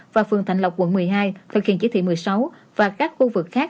và phường thạnh lộc quận một mươi hai thực hiện chỉ thị một mươi sáu và các khu vực khác